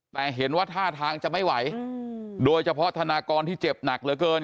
แต่เห็นว่าท่าทางจะไม่ไหวโดยเฉพาะธนากรที่เจ็บหนักเหลือเกิน